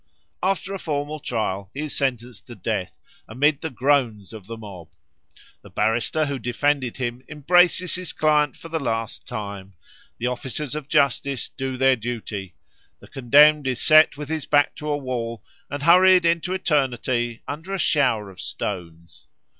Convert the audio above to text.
After a formal trial he is sentenced to death amid the groans of the mob: the barrister who defended him embraces his client for the last time: the officers of justice do their duty: the condemned is set with his back to a wall and hurried into eternity under a shower of stones.